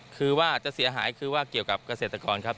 คือว่าจะเสียหายคือว่าเกี่ยวกับเกษตรกรครับ